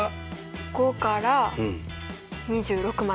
５から２６まで。